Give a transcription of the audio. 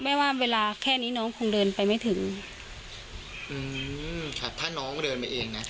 ว่าเวลาแค่นี้น้องคงเดินไปไม่ถึงอืมครับถ้าน้องเดินไปเองนะ